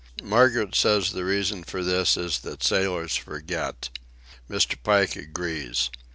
Margaret says the reason for this is that sailors forget. Mr. Pike agrees.